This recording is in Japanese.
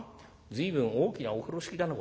随分大きなお風呂敷だね